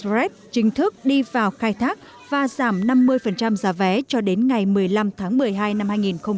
tàu phú quốc express rạch giá chính thức đi vào khai thác và giảm năm mươi giá vé cho đến ngày một mươi năm tháng một mươi hai năm hai nghìn một mươi bảy